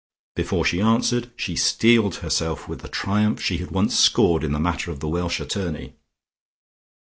Before she answered, she steeled herself with the triumph she had once scored in the matter of the Welsh attorney.